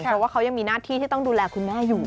เพราะว่าเขายังมีหน้าที่ที่ต้องดูแลคุณแม่อยู่